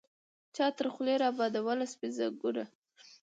چا تر خولې را بادوله سپین ځګونه